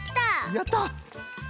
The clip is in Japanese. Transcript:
やった！